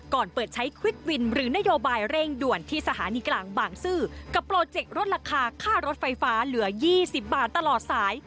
เปิดใช้ควิดวินหรือนโยบายเร่งด่วนที่สถานีกลางบางซื่อกับโปรเจกต์ลดราคาค่ารถไฟฟ้าเหลือ๒๐บาทตลอดสาย